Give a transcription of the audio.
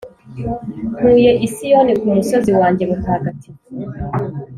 ntuye i Siyoni ku musozi wanjye mutagatifu.